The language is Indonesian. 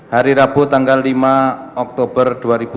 hari rabu tanggal lima oktober dua ribu enam belas